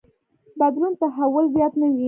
بدلون تحول زیات نه وي.